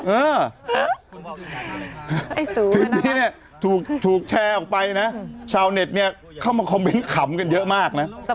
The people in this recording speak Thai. เออทีนี้ถูกแชร์ออกไปนะชาวเน็ตเข้ามาคอมเม้นต์ขำกันเยอะมากนะ